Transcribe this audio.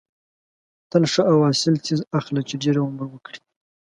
تل ښه او اصیل څیز اخله چې ډېر عمر وکړي.